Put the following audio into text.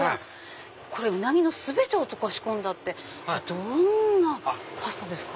ウナギの全てを溶かし込んだってどんなパスタですか？